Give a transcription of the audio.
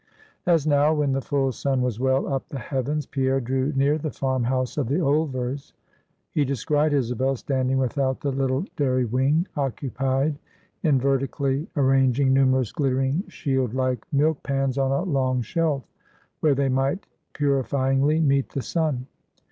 As now, when the full sun was well up the heavens, Pierre drew near the farm house of the Ulvers, he descried Isabel, standing without the little dairy wing, occupied in vertically arranging numerous glittering shield like milk pans on a long shelf, where they might purifyingly meet the sun.